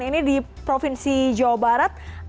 ini di provinsi jawa barat